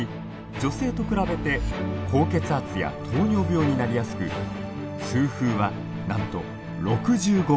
女性と比べて高血圧や糖尿病になりやすく痛風はなんと６５倍にも。